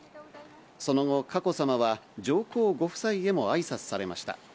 その後、佳子さまは、上皇ご夫妻へもあいさつされました。